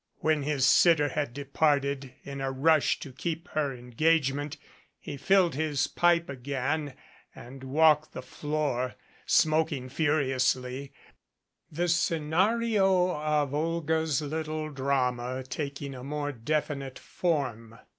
When his sitter had departed in a rush to keep her engagement, he filled his pipe again and walked the floor smoking furiously, the scenario of Olga's little drama taking a more definite form.